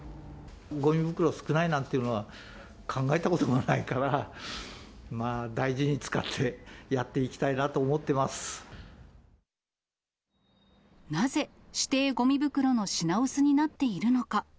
ごみ袋少ないなんていうのは、考えたこともないから、大事に使ってやっていきたいなと思ってまなぜ、指定ごみ袋の品薄になっているのか。